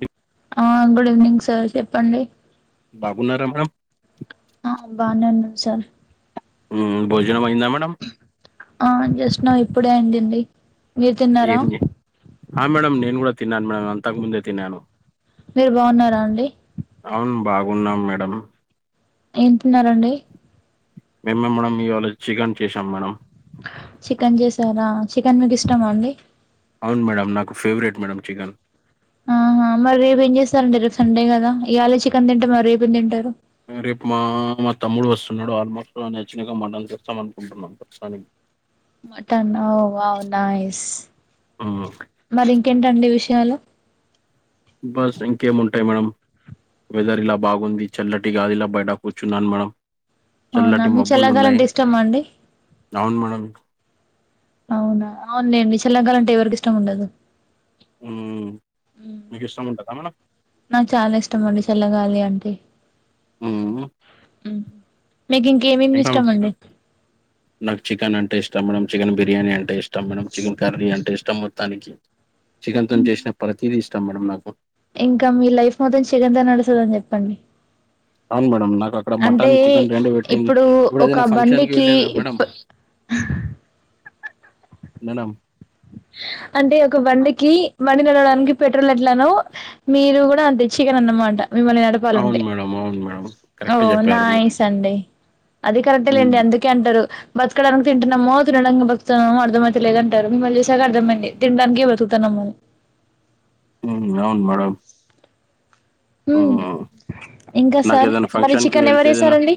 రిం ఆ good evening sir చెప్పండి బాగున్నారా మేడం ఆ బానే ఉన్నాను సార్ ఉమ్ భోజనం అయ్యందా మేడంమ్ ఆ జస్ట్ నావ్ ఇప్పుడే అయిందండి మీరు తిన్నారా మేడం నేను కూడా తిన్నాను మేడం అంతకుముందే తిన్నాను మీరు బాగున్నారా అండి అవును బాగున్నాం మేడం ఏ తిన్నారండి మేమే మేడం ఇవాళ చికెన్ చేసాం మేడం చికెన్ చేసారా చికెన్ మీకు ఇష్టమా అండి అవును మేడం నాకు ఫేవరెట్ మేడం చికెన్ ఆహా మరి రేపు ఏం చేస్తారండి రేపు సండే కదా ఇయళ చికెన్ తింటే మరి రేపు ఏ తింటారు రేపు మా మా తమ్ముడు వస్తున్నాడు ఆల్మోస్ట్ నచ్చినగా మనం ఇస్తాం అనుకుంటున్నాం సనం మటన్ వావ్ నైస్ ఉమ్, మరి ఇంకేంటండి విషయాలు బస్ ఇంకేముంటాయి మేడంమ్ వెదర్ ఇలా బాగుంది చల్లటిగాలిల ఇలా బయట కూర్చున్నాను మనం అవునా చల్లటి మీకు మబ్బులు చల్లగాలి ఉన్నాయి అంటే ఇష్టమా అండి అవును మేడమ్ అవునా అవులేండి చల్లగాలి అంటే ఎవరికి ఇష్టం ఉండదు ఉ మీకు ఇష్టం ఉంటాదా మేడమ్ నాకు చాలా ఇష్టం అండి చల్లగాలి అంటే ఉ మీకు ఇంకేమేమి ఇంకా ఇష్టండీ నాకు చికెన్ అంటే ఇష్టం మేడం చికెన్ బిర్యానీ అంటే ఇష్టం మేడం చికెన్ కర్రీ అంటే ఇష్టం మొత్తానికి చికెన్ తో చేసిన ప్రతీదీ ఇష్టాం మేడం నాకు ఇంకా మీ లైఫ్ మొత్తం చికెన్తో నడుస్తాదని చెప్పండి అవును మేడం నాకు అక్కడ మటన్ చికెన్ రెండు పెట్టింది ఇప్పుడు ఒక ఏదైనా ఫంక్షన్ కి బండికి వెళ్ళిన మేడం ఇప్ మేడమ్ అంటే ఒక బండికి బండి నడవడానికి పెట్రోల్ ఎట్లానో మీరు కూడా అంతే చికెన్ అన్నమాట మిమల్ని నడ పా లాంటే అవును మేడం అవును మేడం ఓ కరెక్ట్ చెప్పారు మీరు నైస్ అండి అది కరెక్టే ఉమ్, లేండి అందుకు కే అంటారు బతకడానికి తింటున్నామో తినడానికి బతుతున్నామో అర్థమయితేలేదంటారు మిమల్ని చూస్ సాక అర్థం అయ్యింది తినడానికే బతుకుతున్నాము హు అవున్ మేడం ఆ హ్మ్. ఇంకా నాకు సార్ ఏదైనా మరి ఫంక్షన్కి చికెన్ ఎవరు వెళ్తేదేన్న జేసారండి?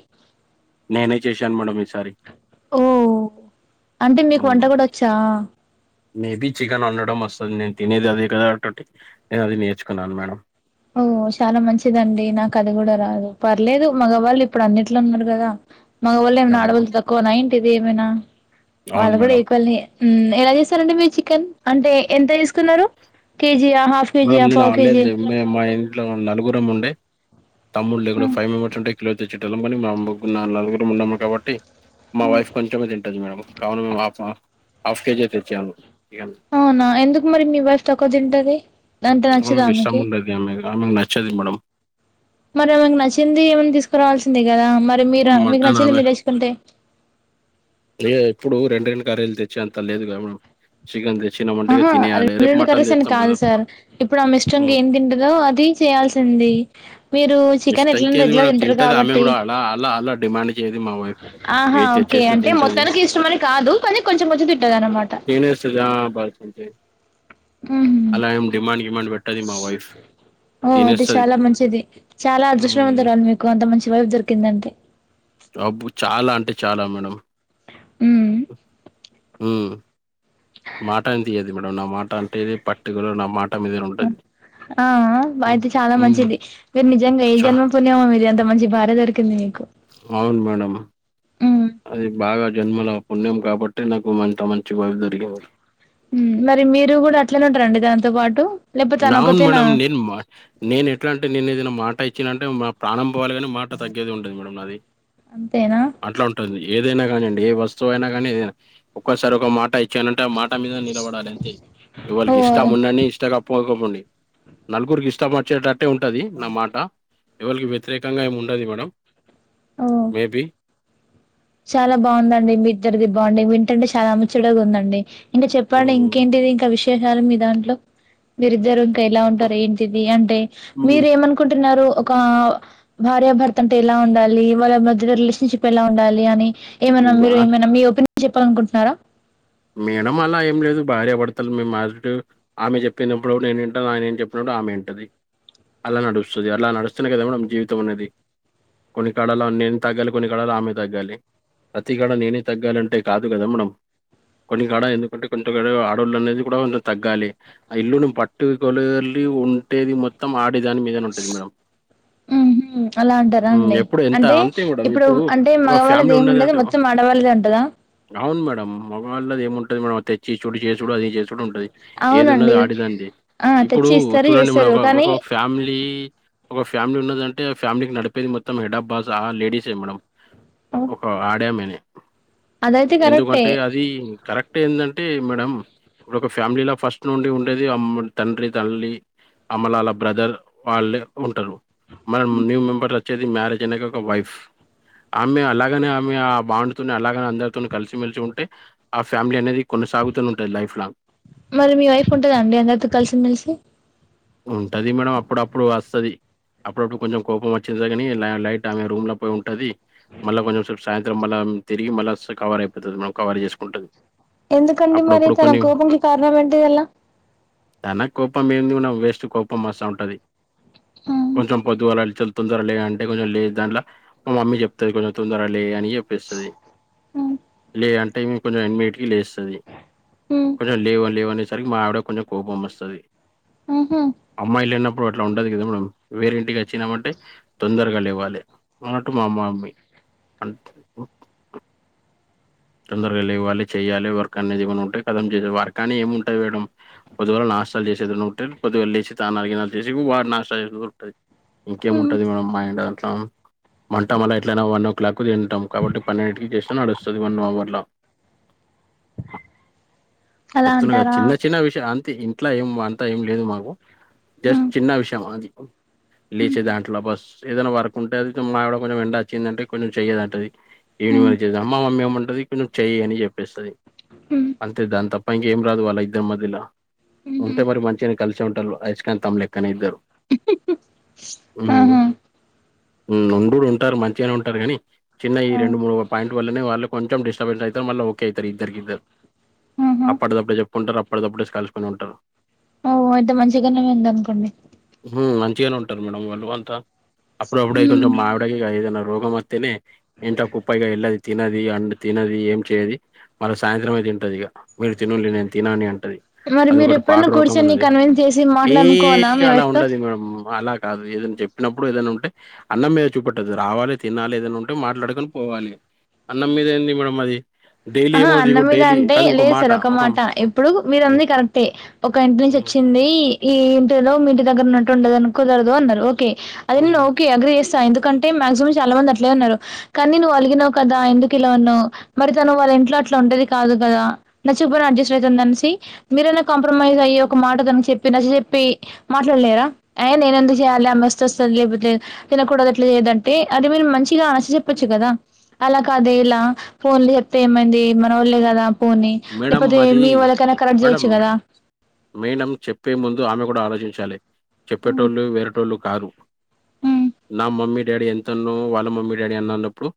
నేనే చేశాను మేడం ఈసారి ఓ అంటే మీకు వంట హ్మ్, కూడా వచ్చా మేబీ చికెన్ వండడం వస్తుంది నేను తినేది అదే కదా కాబట్టి నేను అది నేర్చుకున్నాను మేడం ఓ చాలా మంచిదండి నాకు అది కూడా రాదు పర్లేదు మగవాళ్ళు ఇప్పుడు అన్నిట్లో ఉన్నారు కదా మగవాళ్ళ ఏమనా అవును ఆడవాళ్ల తక్కువ నా ఏంటిది ఏమైనా అవును వాళ్ళు కూడా మేడం ఈక్వలే ఎలా చేస్తారండి మీరు చికెన్ అంటే ఎంత తీసుకున్నారు కేజీ ఆ హాఫ్ మేడమ్ కేజీయా? నేను పావు హాలీడేస్ కేజీ? లేవ్ మేడమ్ మా ఇంట్లో నలుగురం ఉండే తమ్ముళ్ళ కూడా ఫైవ్ మెంబర్స్ ఉంటే కిలో తెచ్చేట్టలం కాని మా ము నా నలుగురం ఉన్నాము కాబట్టి మా వైఫ్ కొంచమే తింటది మేడం కావున మేము హఫ్ హాఫ్ కేజీఏ తెచ్చాం ఇగ అవునా ఎందుకు మరి మీ వైఫ్ తక్కువ తింటది అంటే నచ్చదా అమెకు ఇష్టం ఆమెకి? ఉండది ఆమె ఆమెకు నచ్చది మేడం మరి ఆమెకు నచ్చింది ఏమైన్నా తీసుకురావాల్సిందే కదా మరి మీరు మీకు మటన్ నచ్చింది మీరు తెచ్చుకుంటే లే ఇప్పుడు రెండు రెండు కర్రీలు తెచ్చేయంత లేదుగా మేడమ్ ఆహా రెండు రెండు మటన్ కర్రీస్ అని తెస్తాం కదా కాదు సార్ ఇప్పుడు ఆమె ఇష్టంగా ఉమ్. ఏం తింటదో అది చేయాల్సింది మీరు చికెన్ ఇష్టం ఎట్లైనా కేంది రెగ్యులర్ మేడం తింటారు తింటది ఆమె కాబట్టి కూడా అలా అలా అలా డిమాండింగ్ ఆహా ఓకే అంటే తింటది మొత్తానికి ఇష్టంమని కాదు కానీ కొంచెం కొంచెం తింటాది అనమాట చి ఆ మ్మ్ అలా ఏం డిమాండ్ గిమాండ్ పెట్ ఓ అది చాలా మంచిది చాలా ఉమ్ అదృష్టవంతురాలు మీకు అంత మంచి వైఫ్ దొరికిందంటే మీకు జబు చాలా అంటే చాలా మేడం ఉ ఊ మాటని తీయదు మేడం నా మాట అంటే పట్టుకలో నా మాట మీదే ఉంటది ఆ హ్మ్. అయితే చాలా హ్మ్. మంచిది మీరు నిజంగా ఏ చ జన్మ పుణ్యమో అంత మంచి భార్య దొరికింది మీకు అవును మేడమ్ మ్మ్. అది బాగా జన్మల పుణ్యం కాబట్టి నాకు అంత మంచి భార్య దొరికింది మరి మీరు కూడా అట్లనే ఉంటారండి దానితో పాటు లేకపోతే తనొకతేనా టూ మచ్ నేను ఎట్లా అంటే నేను ఏదైనా మాట ఇచ్చినంటే మా ప్రాణం పోవాలి కాని మాట తగ్గేదే ఉండదు మేడం అది అంతేనా అట్లా ఉంటుంది ఏదైనా కానీండి ఏ వస్తువు అయినా కానీ ఒక్కోసారి ఒక మాట ఇచ్చానంటే మాట మీద నిలబడాలి అంతే ఓ ఎవరికి ఇష్టం ఉండండి ఇష్టగా పోకపోండి నలుగురికి ఇష్టం వచ్చేటట్టే ఉంటది నా మాట ఎవలకి వ్యతిరేకంగా ఏమి ఉండదు మేడం ఓ [unintelligible] చాలా బాగుందండి మీ ఇద్దరిది బాండింగ్ వింటుంటే చాలా అ ముచ్చడగా ఉందండి ఇంకా చెప్పండి హ్మ్. ఇంకేంటిది ఇంకా విశేషాలు మీ దాంట్లో మీరిద్దరు ఎలా ఉంటారు ఏంటిది అంటే మీరు హ్మ్. ఏమనుకుంటున్నారు [unintelligible] ఒక భార్యాభర్త అంటే ఎలా ఉండాలి వాళ్ళ మధ్యలో రిలేషన్షిప్ ఎలా ఉండాలి అని [unintelligible] మీరు ఆహ్, ఏమైన్నా మీ ఒపీనియన్ చెప్పాలనుకుంటున్నారా మేడం అలా ఏం లేదు భార్య భర్తలు మేము [unintelligible] ఆమె చెప్పినప్పుడు నేను వింటాను ఆయన చెప్పినప్పుడు ఆమె వింటది అలా నడుస్తుది అలా నడుస్తూనే కదా మేడం జీవితం అన్నది కొన్ని కళలు నేను తగ్గాలి కొన్ని కళాలు ఆమె తగ్గాలి ప్రతి కూడ నేనే తగ్గాలంటే కాదు కదా మేడం కొన్ని గడ ఎందుకంటే కొంత ఆడవుళ్ళ అనేది కూడా తగ్గాలి ఆ ఇల్లును పట్టు కొలలి ఉంటేది మొత్తం ఆడదాని మీదనే ఉంటది మేడం [unintelligible] ఉహు అలా అంటారా హ్మ్. అండి ఎప్పుడు ఎంత అంటే అంతే మేడం. ఇప్పుడు అంటే ఒక మగవాళ్ళది ఫ్యామిలీ ఏమి ఉండదు ఉన్నదంటే మొత్తం ఆడవాళ్ళదే ఉంటద అవును మేడం మగళ్ళది ఏముంటుది మేడం తెచ్చి చూడు చ చే చూడు అది చేస చూడు ఉంటది ఏది ఉన్నది అవునండి ఆడిదాంది ఆ ఇప్పుడు తెచ్చి ఇస్తారు చూడండి మన చేస్తారు ఒక కానీ ఒక ఫ్యామిలీ ఒక ఫ్యామిలీ ఉన్నదంటే ఆ ఫ్యామిలీకి నడిపేది మొత్తం హెడ్ ఆఫ్ బాస్ ఆ లేడీస్ మేడం [unintelligible] అదైతే కరెక్టే ఎందుకంటే అ అది కరెక్ట్ ఏందంటే మేడం ఇప్పుడు ఒక ఫ్యామిలో ఫస్ట్ నుండి ఉండేది అమ్మ తండ్రి తల్లి అమ్మలాల వాళ్ళ బ్రదర్ వాళ్ళే ఉంటారు మనం న్యూ మెంబర్ల వచ్చేది మ్యారేజ్ [unintelligible] ఒక వైఫ్ ఆమె అలాగనే ఆమె ఆ బాండ్ తోనే అలాగనే అందరితో కలిసిమెలిసి ఉంట అంటే ఆ ఫ్యామిలీ అనేది కొనసాగుతూనే ఉంటుంది లైఫ్ లాంగ్ మరి మీ వైఫ్ ఉంటదండి అందరితో కలిసిమెలిసి ఉంటుంది మేడం అప్పుడప్పుడు వస్తది అప్పుడప్పుడు కొంచెం కోపం వచ్చింది కానీ లైట్ ఆమె రూమ్ లో పోయి ఉంటుంది మళ్ళా కొంచెం సేపు సాయంత్రం మళ్ళా తిరిగి మళ్ళా కవర్ అయిపోతుంది మేడం కవర్ చేసుకుంటది ఎందుకండి మరి అప్పుడప్పుడు తన కొన్ని కోపంకి కారణం అంటే ఎలా తన కోపం ఏంది ఉన్నా వేస్ట్ కోపం వస్తా ఉంటుంది కొంచెం పొద్దువాల అడిచ తొందర లే అంటే కొంచెం లేదు దాంట్లో మా మమ్మీ చెప్తుంది కొంచెం తొందర లే అని చెప్పిస్తాది లేదు అంటే కొంచెం [unintelligible] లేస్తది కొంచెం లేవు లేవు అనేసరికి మా ఆవిడ కి కొంచెం కోపం వస్తది ఆహా అమ్మాయిలు లేనప్పుడు అట్ల ఉండదు కదా మేడం వేరే ఇంటికి వచ్చినామంటే తొందరగ లేవ్వాలి అన్నట్టు మా మమ్మీ అం తొందరగా లేవ్వాలి చెయాలి వర్క్ అనేది ఏమి ఉంటాయి కథం చేసే వర్క్ అని ఏమి ఉంటాది మేడం పొదివల నాష్టాలు చేసేది ఉంటే కొద్దిగా లేసి స్నానాలు దినాలు చేసి వాడు నాష్ట చేసే ఉంటుంది ఇంకేముంటుంది మేడం మైండ్ అట్ల మంట అలా ఎట్లయినా వన్ ఓ క్లా కు తింటాం కాబట్టి పన్నెంకి చేస్తే నడుస్త [unintelligible] [unintelligible] అలా చెప్తున్నా కదా అంటారా చిన్న చిన్న విషయ అంతే అట్లా ఏం అంతా ఏం లేదు మాకు జస్ట్ చిన్న విషం అది లేచే దాంట్లో బస్ ఏదైనా వర్క్ ఉంటే అది మా ఆవిడ కొంచెం ఎండ వచ్చిందంటే కొంచెం చెయ్యది అంటాది ఈవినింగ్ వర్క్ చేస్తే అమ్మ మమ్మీ ఏమంటాది ఇక నువ్వు చెయ్యని చెప్పేస్తాది అంతే దాని తప్ప ఇంకేం రాదు వాళ్ల ఇద్దరి మధ్యల ఉంటే మరి మంచిగానే కలిసి ఉంటాళ్ళు అయస్కాంతం లేక్కనే ఇద్దరు ఉమ్మ్ ఆహా ఉమ్మ్ ఉంటుడు ఉంటారు మంచిగానే ఉంటారు గాని చిన్న ఈ రెండు మూడు పాయిం ట్ వల్లనే వాళ్ళు కొంచెం డిస్టబెన్స్ అయితారు మళ్ళా ఓకే అయితారు ఇద్దరికిద్ద అప్పటిదప్పుడే చెప్పుకుంటారు అప్పటిదప్పుడే కలుసుకుని ఉంటారు ఓ అయితే మంచిగానే ఉంది అనుకోండి ఉమ్మ్ మంచిగానే ఉంటారు మేడం వాళ్ళు అంతా అప్పుడు అప్పుడే కొంచెం మా ఆవిడకి ఇగ ఏదైనా రోగం వస్తేనే ఇంట్లో కుప్ప ఇగ ఎల్లది తినది అండ్ తినది ఏం చెయది మళ్ల సాయంత్రమే తింటది ఇగ మీరు తినుళ్లి నేను తినని అంటది మరి మీరు అదొకటి ఎప్పుడైనా పాడు రోగం కూర్చొని ఉన్నది కన్విన్స్ చేసి ఏయ్ మాట్లాడుకోవాలా మీ అలా వైఫ్ తో ఉంటది మేడం అలా కాదు ఏదనా చెప్పినప్పుడు ఏదన్నా ఉంటే అన్నం మీద చూపెట్టదు రావాలి తినాలి ఏదనా ఉంటే మాట్లాడుకొని పోవాలి అన్నం మీద ఏంది మేడం అది డైలీ ఆహా ఏమో అన్న దిగు మీద డైలీ అంటే కాదు లేదు సార్ ఒక మాట ఇప్పుడు హ్మ్. మీరన్నది కరెక్టే ఒక ఇంటి నుంచి హ్మ్. వచ్చింది ఈ ఇంటిలో మీ ఇంటి దగ్గర ఉన్నట్టు ఉండదు అని కుదరదు అన్నారు ఓకే ఆయన్ని హ్మ్. ఓ కే అగ్రీ చేస్తా ఎందుకంటే మాక్సిమం చాలా మంది అట్లే అన్నారు కానీ నువ్వు అలిగినావు కదా ఎందుకు ఇలా అన్నావు మరి తను వాళ్ళింట్లో అట్లా ఉంటేది కాదు కదా నచ్చకపోయినా అడ్జస్ట్ అయితుంది అనేసి మీరైనా కాంప్రమైజ్ అయ్యి ఒక మాట తనికి చెప్పి నచ్చచెప్పి మాట్లాడలేరా అయి నేనెందుకు చేయాలి ఆమె వస్తే వస్తది లేక్పోతే లే తినకూడదు ఎట్లా చేయదంటే అది మీరు మంచిగా నచ్చ చెప్పొచ్చు కదా అలా కాదే ఇలా ఫోన్లు తే ఏమైంది మన వాళ్లే కదా పొని మేడం లేక్పోతే అది మీ వాళ్ళకైనా కరెక్ట్ మేడం చేయొచ్చు కదా మేడం చెప్పే ముందు ఆమె కూడా ఆలోచించాలి హ్మ్ చెప్పేటోళ్ళు వేరేటోళ్ళు కాదు హ్మ్ నా మమ్మీ డాడీ ఎంతన్నో వాళ్ళ మమ్మీ డాడీ అన్న అన్నప్పుడు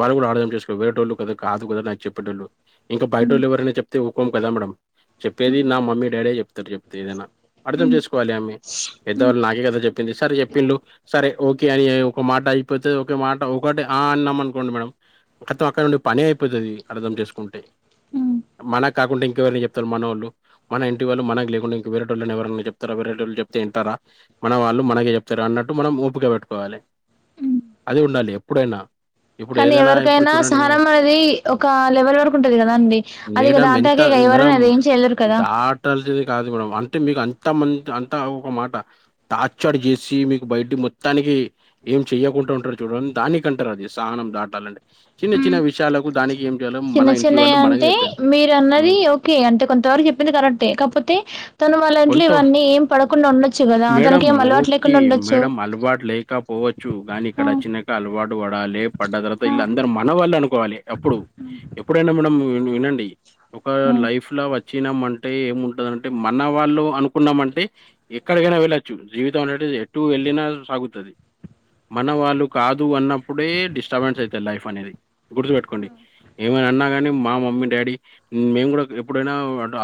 వాళ్లు కూడా అర్థం చేసు వేరేటోళ్లు కదా కాదు కదా నాకు చెప్పేటోళ్ళు ఇంకా హ్మ్ బయటోళ్ళు ఎవరన్నా చెప్తే ఊకోం కదా మేడం చెప్పేది నా మమ్మీ డాడీయే చెప్తారు చెప్తే ఏదైనా అర్థం హ్మ్ చేసుకోవాలి ఆమె హ్మ్ పెద్దవాళ్ళు నాకే కదా చెప్పింది సరే చెప్పిళ్ళు సరే ఓకే అని ఒక మాట అయిపోతే ఒక మాట ఒకటి ఆ అన్నాం అనుకోండి మేడం కతం అక్కడ నుండి పనే అయిపోతాది అర్థం చేసుకుంటే హ్మ్ మనకు కాకుంటే ఇంకెవరికి చెప్తారు మనోళ్లు మన ఇం టి వాళ్ళు మనకు లేకుండా ఇంకా వేరేటోళ్లను ఎవరనా చెప్తారా వేరేటోళ్ళు చెప్తే ఇంటారా మన వాళ్ళు మనకే చెప్తారు అన్నట్టు మనం ఓపిక పెట్టుకోవాలే అదే ఉండాలి ఎప్పుడైనా ఇప్పుడు కానీ ఏదైనా ఇప్పుడు ఎవరికైనా చూడండి మేడం, సహనం అనేది ఒక లెవెల్ వరకు ఉంటది కదా అండి అది ఇగ మేడం దాటాక ఇగ ఎవరన్నా అది ఏం చేయలేరు కదా ట్టాల్సింది కాదు మేడం అంటే మీకు అంత మంత్ అంత ఒక మాట టాచ్చర్ చేసి మీకు బయటి మొత్తానికి ఏం చెయ్యకుంటే ఉంటారు చూడం దానికి అంటారు అది సహనం దాటాలంటే చిన్న చిన్న హ్మ్ విషయాలకు దానికి ఏం చేయాలో మన చిన్న ఇంటి చిన్నయి వాళ్ళు మనకే అంటే చెప్తా మీరు అన్నది ఉమ్మ్ ఓకే అంటే కొంతవరకు చెప్పింది కరెక్టే కాకపోతే తను వాళ్ళ ఇంట్లో కొంత ఇవన్నీ ఏం పడకుండా ఉండొచ్చు కదా? మేడం తనకు ఏం అలవాటు లేకుండా ఉండొచ్చు. పోవచ్చు గాని ఆ ఇక్కడ చిన్న అలవాటు పడాలి పడ్డ తర్వాత ఆ వీళ్ళ అందరూ మన వాల్ళు అనుకోవాలి అప్పుడు. ఎప్పుడైనా మేడం వినండి ఒక హ్మ్ లైఫ్ లో వచ్చినం అంటే ఏముంటదంటే మన మన వాళ్ళు అనుకున్నామంటే ఎక్కడికైనా వెళ్ళచ్చు జీవితం అనేది ఎటు వెళ్ళినా సాగుతాది. మనను వాళ్ళు కాదు అన్నప్పుడే డిస్టర్బెన్స్ అవుతాది లైఫ్ అనేది గుర్తుపెట్టుకోండి. ఏమైనా అన్నా కానీ మా మమ్మీ డాడీ మేము కూడా ఎప్పుడైనా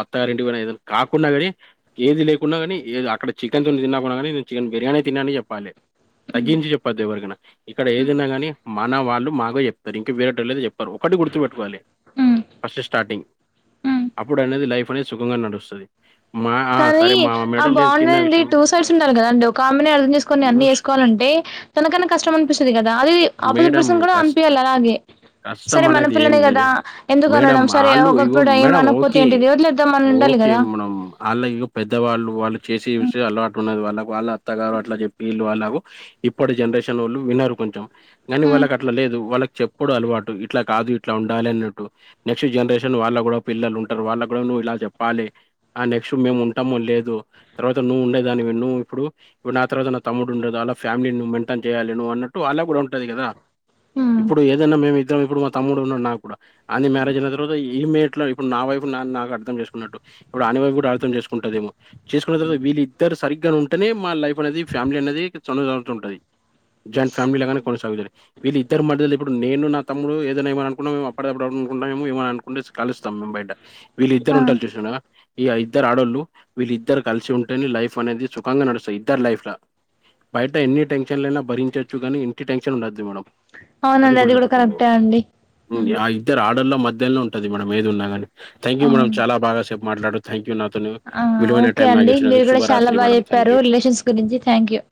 అత్తగారి ఇంటి పోయినా ఏదైనా కాప్ కుండా కానీ ఏది లేకుండా నీ ఏది అక్కడ చికెన్ తో తిన్నాకున్నా కానీ నేను చికెన్ బిర్యానే తిన్నా అని చెప్పాలి. తగ్గించి చెప్పద్దు ఎవరికైనా ఇక్కడ హ్మ్ ఏదన్నా గాని మన వాళ్ళు మాతో చెప్తారు ఇంకా వేరేటోళ్లకు చెప్పరు. ఒకటి గుర్తుపెట్టుకోవాలి. హ్మ్ ఫస్ట్ స్టార్టింగ్ హ్మ్ అప్పుడు అనేది లైఫ్ అనేది సుఖంగా నడుస్తాది. కానీ ఆ బాండ్ చిన్న అండి విషయం టూ సైడ్స్ ఉండాలి కదండీ. ఒకామెనే అర్థం చేసుకొని అన్నీ చూసి చేసుకోవాలంటే? తనకయినా కష్టం అనిపిస్తుది కదా అది ఆపోజిట్ మేడం పర్సన్ కూడా కష్ట అనిపీయాలి అలాగే కష్టం సరే మన అనేది ఏం పిల్లనే కదా లేదు. ఎందుకు మేడం అనడం సరే ఆళ్ళు ఇగో ఒకప్పుటి ఏం మేడం అనకపోతే ఏంటిది ఏం లేదు. మన ఉండాలి కదా వాళ్ళకి పెద్దవాళ్ళు. వాళ్ళు చేసి చూసి అలవాటు ఉన్నది వాళ్ళకి వాళ్ళ అత్తగారు అట్లా చెప్పిళ్ళు వీళ్ళు అలాగో ఇప్పటి జనరేషన్ వాళ్ళు వినరు కొంచెం. గానీ వాళ్ళకి అట్లా లేదు వాళ్ళకి చెప్పుడు అలవాటు ఇట్లా కాదు ఇట్లా ఉండాలి అన్నట్టు. నెక్స్ట్ జనరేషన్ వాళ్ళ కూడా పిల్లలు ఉంటారు వాళ్ళ కూడా నువ్వు ఇలా చెప్పాలి. ఆ నెక్స్ట్ మేము ఉంటామో లేదు తర్వాత నువ్వు ఉండే దానివి నువ్వు ఇప్పుడు ఇప్పుడు నా తర్వాత నా తమ్ముడు ఉండదు అలా ఫ్యామిలీ నువ్వు మెయింటైన్ చేయాలి. నువు అన్నట్టు వాళ్లకు కూడా ఉంటాది కదా? హ్మ్ ఇప్పుడు ఏదన్నా మేము ఇద్దరం ఇప్పుడు మా తమ్ముడు ఉన్నాడు నాకు కూడా ఆయనది మ్యారేజ్ అయి ఈ మెట్లు ఇప్పుడు నా వైఫ్ నా నాకు అర్థం చేసుకున్నట్టు ఇప్పుడు అయన వైఫ్ కూడా అర్థం చేసుకుంటదేమో చేసుకున్న తర్వాత వీళ్ళిద్దరు సరిగ్గా ఉంటనే మా లైఫ్ అనేది ఫ్యామిలీ అనేది చల్లగా ఉంటాది. జయింట్ ఫ్యామిలీ గానే కొససాగుతాది. వీళ్ళిద్దరు మధ్యలో నేను నా తమ్ముడు ఏదన్నా ఏమన్నా అనుకున్నా అప్పుడప్పుడే. అనుకున్నా ఏమ అనుకుండచ్చు. కలుస్తాం మేము బయట. వీళు ఆ ఇద్దరు ఉంటరు చూసినారా ఈ ఇద్దరు ఆడళ్ళు వీళ్ళు ఇద్దరు కలిసి ఉంటేనే. లైఫ్ అనేది సుఖంగా నడుస్తాయి ఈ ఇద్దరు లైఫ్ బయట ఎన్ని టెన్షన్లైనా భరించొచ్చు కాగానీ ఇంటి టెన్షన్ ఉండొద్దు మేడం. అది అవునండి కూడా గుర్తుపెట్టుకోండి. కరెక్టే అండి హ్మ్ ఇద్దరు ఆడోళ్ళ మధ్యలోనే ఉంటది మేడం. ఏది ఉన్నా కానీ థ్యాంక్ మేడం అవును చాల బాగా సేపు మాట్లాడారు. థ్యాంక్ యూ నాతోను ఆ విలువైన ఓకే టైం నాకు అండి మీరు ఇచ్చినందుకు కూడా చాలా శుభరాత్రి బాగా మేడం థ్యాంక్ చెప్పారు యూ రిలేషన్స్ గురించి థాంక్ యూ